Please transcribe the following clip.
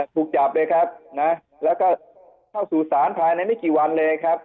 ถูกจับเลยครับนะแล้วก็เข้าสู่ศาลภายในไม่กี่วันเลยครับ